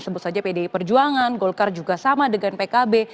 sebut saja pdi perjuangan golkar juga sama dengan pkb